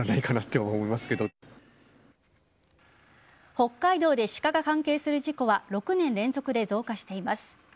北海道でシカが関係する事故は６年連続で増加しています。